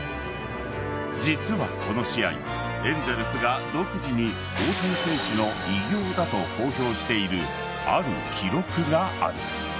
実はこの試合エンゼルスが独自に大谷選手の偉業だと公表しているある記録がある。